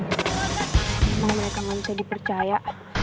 emang mereka gak bisa dipercaya